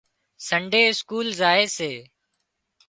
سنڊي اسڪول زائي سي